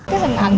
cái hình ảnh